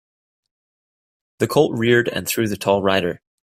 The colt reared and threw the tall rider.